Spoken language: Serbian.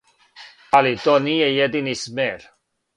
Али, то није једини смер.